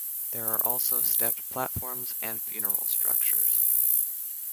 There are also stepped platforms and funeral structures.